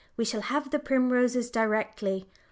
We shall have the primroses directly.